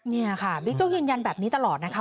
นี่ค่ะบิ๊กโจ๊กยืนยันแบบนี้ตลอดนะคะ